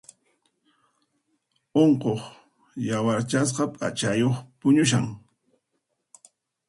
Unquq yawarchasqa p'achayuq puñushan.